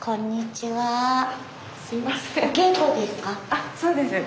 あそうです。